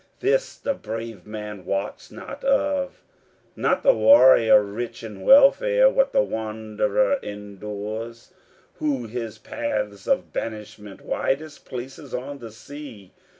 This the brave man wots not of, Not the warrior rich in welfare what the wanderer endures, Who his paths of banishment, widest places on the sea.